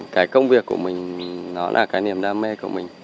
cái công việc của mình nó là cái niềm đam mê của mình